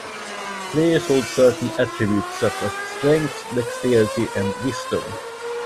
Players hold certain attributes such as strength, dexterity, and wisdom.